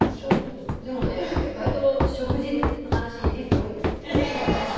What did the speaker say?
でもね、わりと食事の話率が多いですよ。